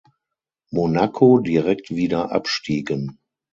Monaco direkt wieder abstiegen.